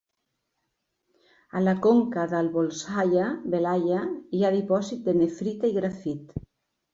A la conca del Bolshaya Belaya hi ha dipòsits de nefrita i grafit.